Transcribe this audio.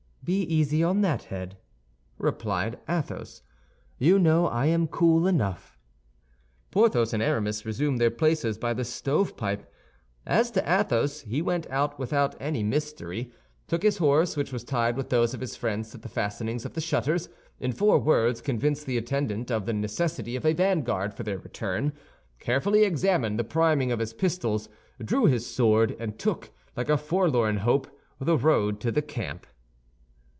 "Be easy on that head," replied Athos; "you know I am cool enough." Porthos and Aramis resumed their places by the stovepipe. As to Athos, he went out without any mystery, took his horse, which was tied with those of his friends to the fastenings of the shutters, in four words convinced the attendant of the necessity of a vanguard for their return, carefully examined the priming of his pistols, drew his sword, and took, like a forlorn hope, the road to the camp.